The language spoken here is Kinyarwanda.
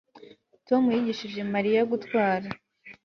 Tom yigishije Mariya gutwara